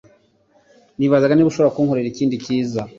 Nibazaga niba ushobora kunkorera ikindi cyiza.